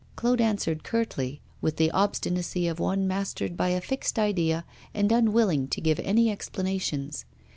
Claude answered curtly, with the obstinacy of one mastered by a fixed idea and unwilling to give any explanations.